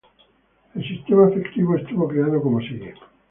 El sistema afectivo estuvo creado como sigue.